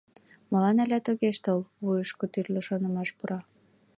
Молан алят огеш тол?» — вуйышко тӱрлӧ шонымаш пура.